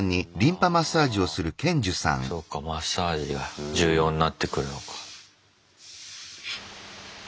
ああそうかマッサージが重要になってくるのか。